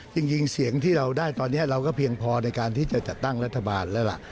จริงเสียงที่เราได้ตอนนี้เราก็เพียงพอในการที่จะจัดตั้งรัฐบาลแล้วล่ะ